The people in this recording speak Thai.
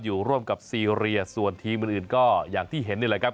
อยู่ร่วมกับซีเรียส่วนทีมอื่นก็อย่างที่เห็นนี่แหละครับ